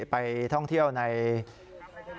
ไปท่องเที่ยวนายชะมัด